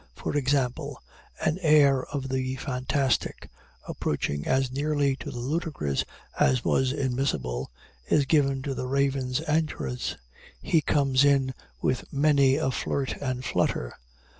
For example, an air of the fantastic approaching as nearly to the ludicrous as was admissible is given to the Raven's entrance. He comes in "with many a flirt and flutter."